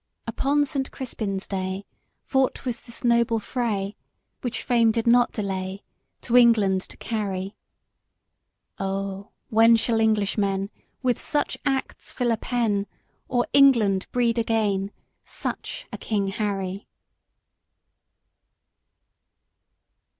IX. Upon Saint Crispin' day Fought was this noble fray. Which fame did not delay To England to carry. O when shall Englishmen With such acts fill a pen, Or England breed again Such a King Harry?